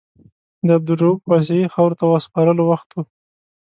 د عبدالرؤف واسعي خاورو ته سپارلو وخت و.